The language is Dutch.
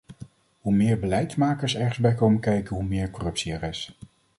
Hoe meer beleidsmakers ergens bij komen kijken, hoe meer corruptie er is.